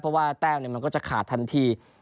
เพราะว่าแต้มมันก็จะขาดทันที